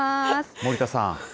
森田さん。